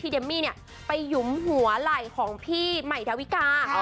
ที่เดมมี่ไปหยุ่มหัวไหล่ของพี่หมายฤวิกา